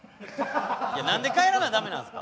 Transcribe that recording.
いや何で帰らなダメなんすか？